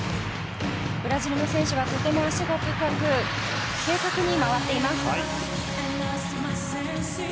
ブラジルの選手はとても足が高く正確に回っています。